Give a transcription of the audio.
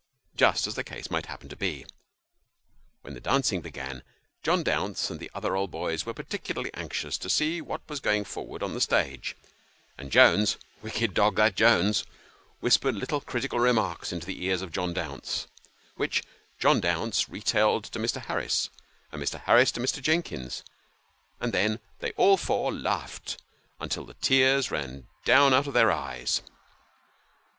just as the case might happen to be. When the dancing began, John Dounce and the other old boys were particularly anxious to see what was going forward on the stage, and Jones wicked dog that Jones whispered little critical remarks into the ears of John Dounce, which John Dortnce retailed to Mr. Harris Mr. John D ounce. 183 and Mr. Harris to Mr. Jennings ; and then they all four laughed, until the tears ran down, out of their eyes.